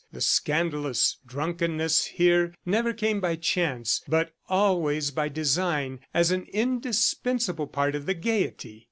The scandalous drunkenness here never came by chance, but always by design as an indispensable part of the gaiety.